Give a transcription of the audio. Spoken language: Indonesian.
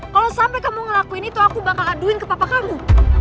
kalau sampai kamu ngelakuin itu aku bakal aduin ke papa kamu